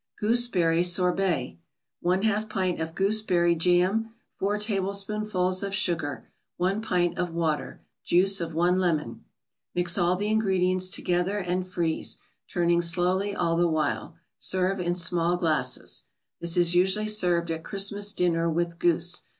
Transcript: GOOSEBERRY SORBET 1/2 pint of gooseberry jam 4 tablespoonfuls of sugar 1 pint of water Juice of one lemon Mix all the ingredients together and freeze, turning slowly all the while. Serve in small glasses. This is usually served at Christmas dinner with goose.